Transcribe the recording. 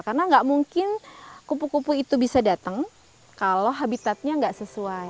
karena gak mungkin kupu kupu itu bisa datang kalau habitatnya gak sesuai